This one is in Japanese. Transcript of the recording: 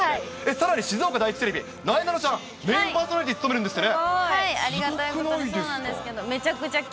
さらに、静岡第一テレビ、なえなのちゃん、メンバーそろえて務めるんですってね？